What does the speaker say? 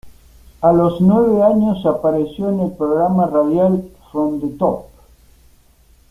A los nueve años apareció en el programa radial "From the Top".